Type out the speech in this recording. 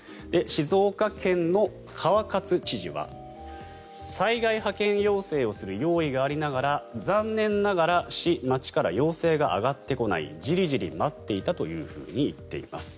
静岡県の川勝知事は災害派遣要請をする用意がありながら残念ながら市、町から要請が上がってこないじりじり待っていたというふうに言っています。